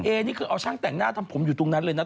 นี่คือเอาช่างแต่งหน้าทำผมอยู่ตรงนั้นเลยนะ